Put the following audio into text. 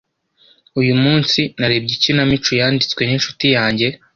Uyu munsi, narebye ikinamico yanditswe n'inshuti yanjye.